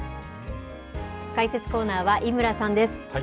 解説コーナーは井村さんです。